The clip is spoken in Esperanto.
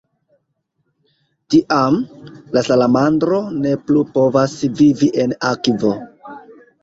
Tiam, la salamandro ne plu povas vivi en akvo.